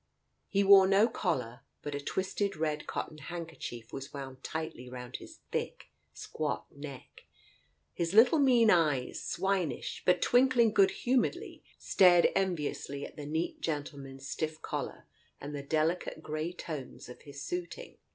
He wore no collar, but a twisted red cotton handkerchief was wound tightly round his thick squat neck. His little mean eyes, swinish, but twinkling good humouredly, stared enviously at the neat gentleman's stiff collar and the delicate grey tones of his suiting.